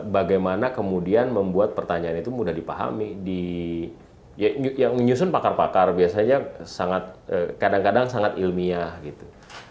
bagaimana kemudian membuat pertanyaan itu mudah dipahami yang menyusun pakar pakar biasanya kadang kadang sangat ilmiah gitu